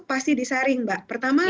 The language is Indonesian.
pasti disaring mbak pertama